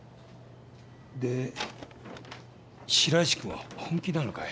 で白石君は本気なのかい？